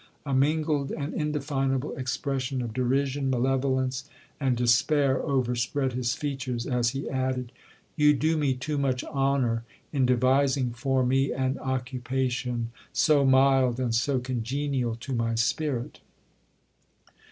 A mingled and indefinable expression of derision, malevolence, and despair, overspread his features, as he added, 'You do me too much honour, in devising for me an occupation so mild and so congenial to my spirit.'